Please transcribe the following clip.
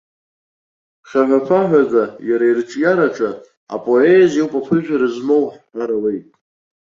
Хьаҳәаԥаҳәада иара ирҿиараҿы апоезиа ауп аԥыжәара змоу ҳҳәар ауеит.